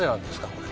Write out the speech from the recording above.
これ